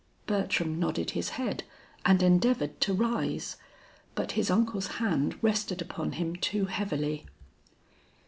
Bertram nodded his head and endeavored to rise, but his uncle's hand rested upon him too heavily.